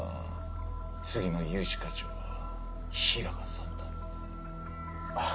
次の融資課長は平賀さんだって。